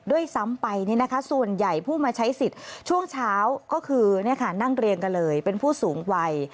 ด้วยซ้ำไปส่วนใหญ่ผู้มาใช้สิทธิ์ช่วงเช้าก็คือนั่งเรียงกันเลยเป็นผู้สูงวัย